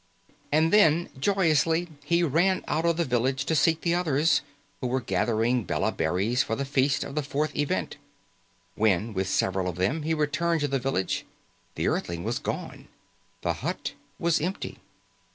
And then, joyously, he ran out of the village to seek the others, who were gathering bela berries for the feast of the fourth event. When, with several of them, he returned to the village, the Earthling was gone. The hut was empty.